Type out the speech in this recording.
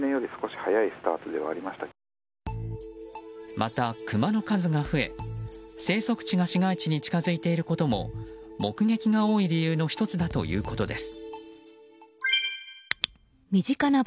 また、クマの数が増え生息地が市街地に近づいていることも目撃が多い理由の１つだということです。